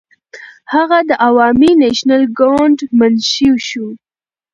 هغه د عوامي نېشنل ګوند منشي شو.